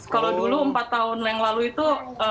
kalau dulu empat tahun yang lalu itu